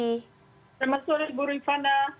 selamat sore bu rifana